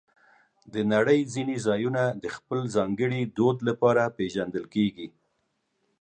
د نړۍ ځینې ځایونه د خپل ځانګړي دود لپاره پېژندل کېږي.